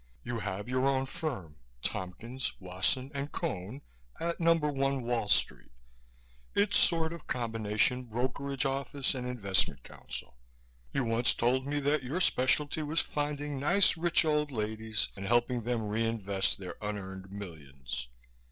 You have your own firm Tompkins, Wasson and Cone at No. 1 Wall Street. It's sort of combination brokerage office and investment counsel. You once told me that your specialty was finding nice rich old ladies and helping them re invest their unearned millions.